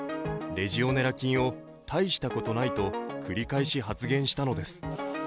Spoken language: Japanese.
レジオネラ菌を大したことないと繰り返し発言したのです。